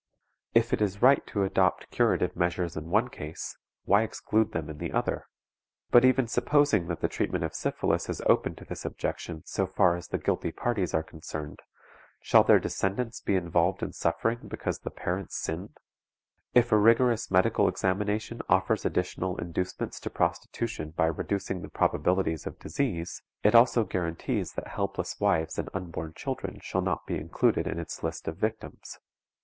If it is right to adopt curative measures in one case, why exclude them in the other? But even supposing that the treatment of syphilis is open to this objection so far as the guilty parties are concerned, shall their descendants be involved in suffering because the parents sinned? If a rigorous medical examination offers additional inducements to prostitution by reducing the probabilities of disease, it also guarantees that helpless wives and unborn children shall not be included in its list of victims.